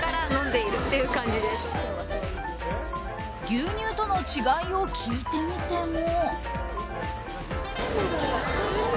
牛乳との違いを聞いてみても。